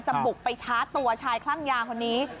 บุกไปชาร์จตัวชายคลั่งยาคนนี้